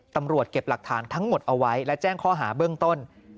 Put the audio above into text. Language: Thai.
ตำรวจเก็บหลักฐานทั้งหมดเอาไว้และแจ้งข้อหาเบื้องต้น